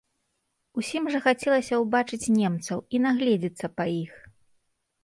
Усім жа хацелася ўбачыць немцаў і нагледзецца па іх.